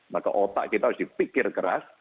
maka otak kita harus dipikir keras